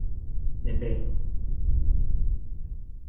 เน็ตเบย์